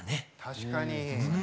確かに。